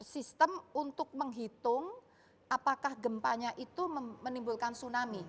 sistem untuk menghitung apakah gempanya itu menimbulkan tsunami